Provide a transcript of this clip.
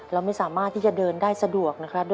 เราไม่สามารถที่จะเดินได้สะดวกนะครับ